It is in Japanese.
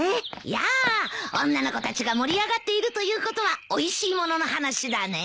やあ女の子たちが盛り上がっているということはおいしい物の話だね。